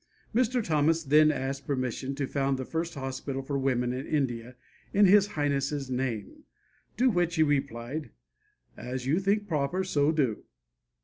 Mr. Thomas then asked permission to found the first hospital for women in India in His Highness's name, to which he replied, 'As you think proper, so do.'